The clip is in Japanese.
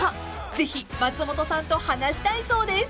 ［ぜひ松本さんと話したいそうです］